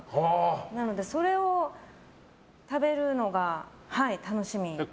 なので、それを食べるのが楽しみでした。